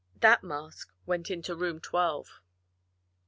That mask went into room twelve.